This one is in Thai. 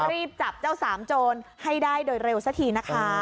รีบจับเจ้าสามโจรให้ได้โดยเร็วสักทีนะคะ